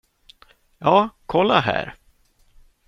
Ja, kolla här.